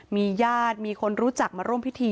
มีญาติมีคนรู้จักมาร่วมพิธี